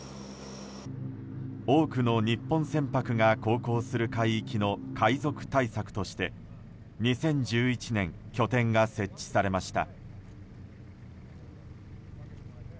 多くの日本船舶が航行する海域の海賊対策として２０１１年拠点が設置されました。